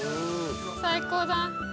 最高だ。